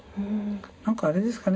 何かあれですかね